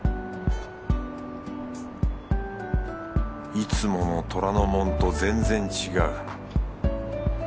いつもの虎ノ門と全然違う。